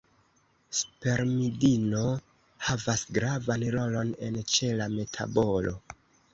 Spermidino havas gravan rolon en ĉela metabolo.